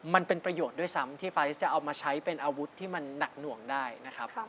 มันเป็นประโยชน์ด้วยซ้ำที่ไฟซ์จะเอามาใช้เป็นอาวุธที่มันหนักหน่วงได้นะครับ